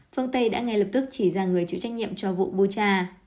phương tây đã ngay lập tức chỉ ra người chịu trách nhiệm cho vụ bucha